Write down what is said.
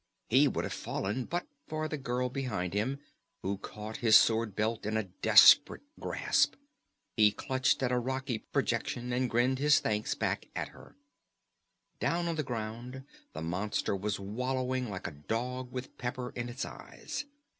He would have fallen but for the girl behind him, who caught his sword belt in a desperate grasp. He clutched at a rocky projection, and grinned his thanks back at her. Down on the ground the monster was wallowing like a dog with pepper in its eyes.